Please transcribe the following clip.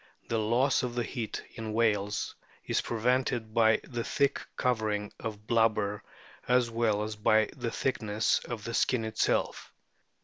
The loss of heat in whales is prevented by the thick covering of blubber as well as by the thickness of the skin itself.